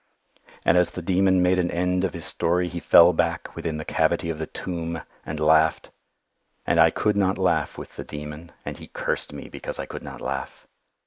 And as the Demon made an end of his story, he fell back within the cavity of the tomb and laughed. And I could not laugh with the Demon, and he cursed me because I could not laugh.